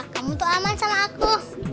kamu untuk aman sama aku